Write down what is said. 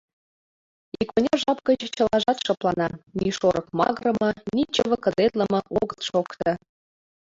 Икмыняр жап гыч чылажат шыплана: ни шорык магырыме, ни чыве кыдетлыме огыт шокто.